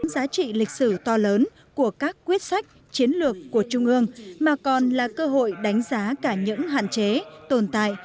giá trị lịch sử to lớn của các quyết sách chiến lược của trung ương mà còn là cơ hội đánh giá cả những hạn chế tồn tại